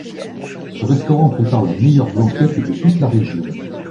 Ce restaurant prépare la meilleure blanquette de toute la région.